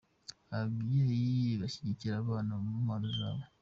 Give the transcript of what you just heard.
Ababyeyi bashyigikira abana mu mpano zabo.